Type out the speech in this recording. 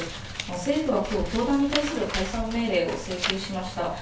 政府はきょう、教団に対する解散命令を請求しました。